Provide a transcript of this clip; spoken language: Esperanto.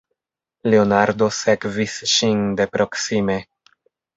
Leonardo sekvis ŝin de proksime.